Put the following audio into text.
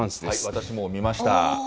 私も見ました。